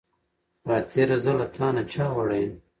خاطره زه له تا نه چا وړې يم